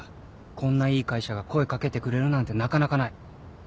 こんないい会社が声掛けてくれるなんてなかなかない。